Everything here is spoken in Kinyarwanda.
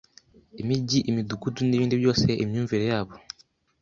imigi imidugudu nibindi byose imyumvire yabo